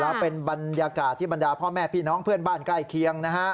แล้วเป็นบรรยากาศที่บรรดาพ่อแม่พี่น้องเพื่อนบ้านใกล้เคียงนะฮะ